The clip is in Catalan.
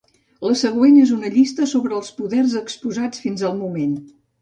La següent és una llista sobre els poders exposats fins al moment.